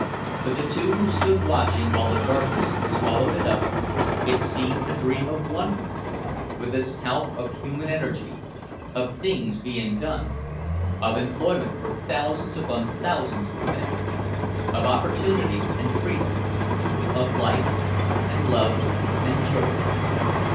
To the two who stood watching while the darkness swallowed it up, it seemed a dream of wonder, with its talc of human energy, of things being done, of employment for thousands upon thousands of men, of opportunity and freedom, of life and love and joy.